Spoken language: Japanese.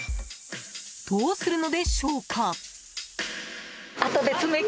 どうするのでしょうか？